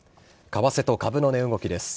為替と株の値動きです。